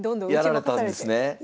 やられたんですね。